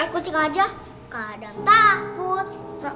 kucing aja kadang takut